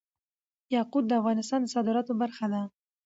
یاقوت د افغانستان د صادراتو برخه ده.